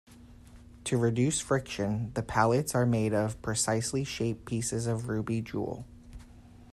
To reduce friction, the pallets are made of precisely shaped pieces of ruby jewel.